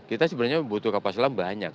kita sebenarnya butuh kapal selam banyak